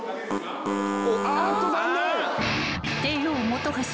あっと残念。